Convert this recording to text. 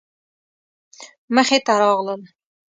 مخې ته راغلل.